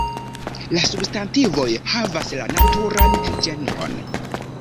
La substantivoj havas la naturan ĝenron.